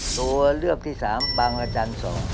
ตัวเลือกที่๓บางรจันทร์๒